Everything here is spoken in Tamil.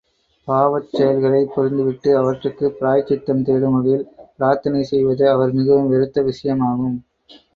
◯ பாவச் செயல்களைப் புரிந்துவிட்டு, அவற்றுக்குப் பிராயசித்தம் தேடும் வகையில் பிரார்த்தனை செய்வது அவர் மிகவும் வெறுத்த விஷ்யமாகும்.